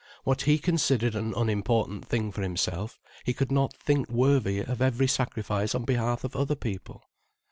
What he considered an unimportant thing for himself he could not think worthy of every sacrifice on behalf of other people.